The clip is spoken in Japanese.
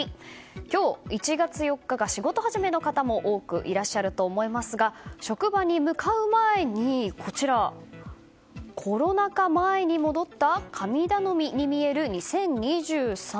今日、１月４日が仕事始めの人も多くいらっしゃると思いますが職場に向かう前にコロナ禍前に戻った神頼みに見える２０２３。